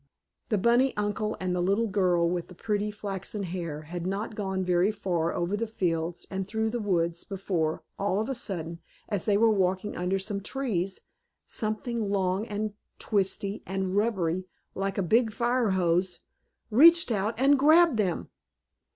The bunny uncle and the little girl with the pretty, flaxen hair had not gone very far over the fields and through the woods before, all of a sudden, as they were walking under some trees, something long and twisty and rubbery, like a big fire hose, reached out and grabbed them.